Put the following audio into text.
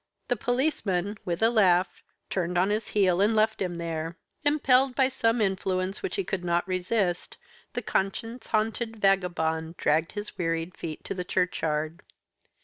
The policeman, with a laugh, turned on his heel and left him there. Impelled by some influence which he could not resist, the conscience haunted vagabond dragged his wearied feet to the churchyard.